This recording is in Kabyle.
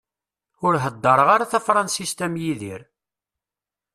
Ur heddreɣ ara Tafransist am Yidir.